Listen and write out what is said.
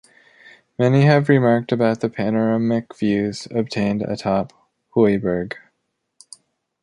Many have remarked about the panoramic views obtained atop Hooiberg.